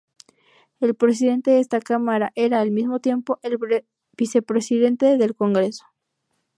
El presidente de esta Cámara era, al mismo tiempo, el Vicepresidente del Congreso.